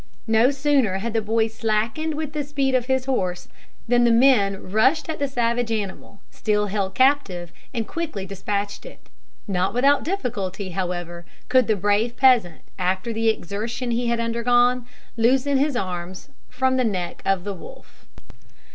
No sooner had the boy slackened the speed of his horses, than the men rushed at the savage animal, still held captive, and quickly despatched it. Not without difficulty, however, could the brave peasant, after the exertion he had undergone, loosen his arms from the neck of the wolf.